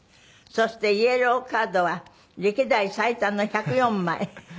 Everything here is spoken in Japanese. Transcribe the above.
そしてイエローカードは歴代最多の１０４枚。